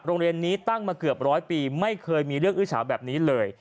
โรงเรียนนี้ตั้งมาเกือบร้อยปีไม่เคยมีเรื่องอื้อเฉาแบบนี้เลย